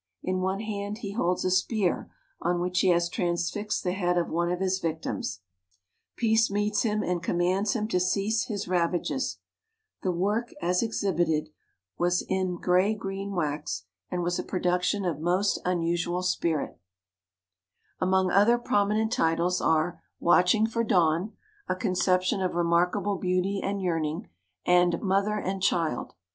In one hand he holds a spear on which he has transfixed the head of one of his vic tims. As he goes on his masterful career Peace meets him and commands him to cease his ravages. The work as exhibited was in 68 WOMEN OF ACHIEVEMENT gray green wax and was a production of most unusual spirit. Among other prominent titles are "Watch ing for Dawn," a conception of remarkable beauty and yearning, and "Mother and Child."